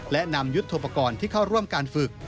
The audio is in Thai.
และนำยุทธโปรกรณ์ที่เข้าร่วมการฝึก